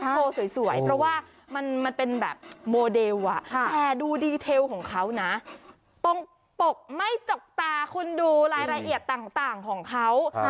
โชว์สวยเพราะว่ามันเป็นแบบโมเดลแต่ดูดีเทลของเขานะปกไม่จกตาคุณดูรายละเอียดต่างของเขา